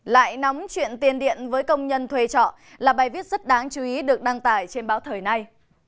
lại nóng chuyện tiền điện với công nhân thuê trọ là bài viết rất đáng chú ý được đăng tải trên báo thời nay